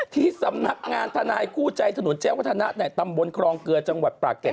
ที่สำนักงานทนายคู่ใจถนนแจ้งวัฒนะในตำบลครองเกลือจังหวัดปรากแก่น